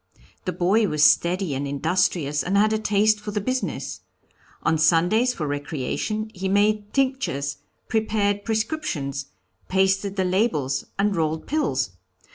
The boy was steady and industrious, and had a taste for the business. On Sundays for recreation he made tinctures, prepared prescriptions, pasted the labels and rolled pills.